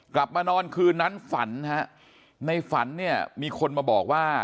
กลับมานอนคืนนั้นฝันฮะในฝันเนี่ยมีคนมาบอกว่า